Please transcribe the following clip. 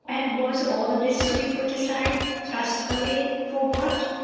And was all this to be put aside, thrust away, for what?